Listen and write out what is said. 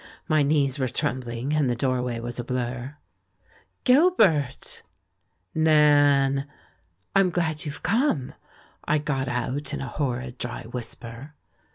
^ly knees were trembling, and the doorway was a blur. "Gilbert!" "Nan!" *'I'm glad you've come," I got out, in a horrid dry whisper.